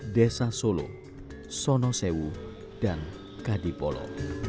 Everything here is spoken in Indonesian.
desa solo sono sewu dan kadipolo